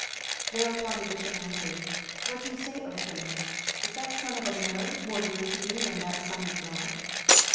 Thereupon the Bishop answered, "What do you say, O king? Is that son of a mare more dear to you than that son of God?"